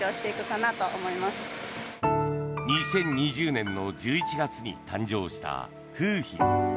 ２０２０年の１１月に誕生した楓浜。